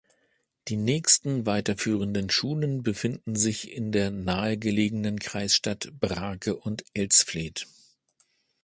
Die nächsten weiterführenden Schulen befinden sich in der nahe gelegenen Kreisstadt Brake und Elsfleth.